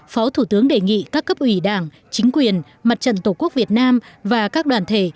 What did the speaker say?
phó thủ tướng đề nghị các cấp ủy đảng chính quyền mặt trận tổ quốc việt nam và các đoàn thể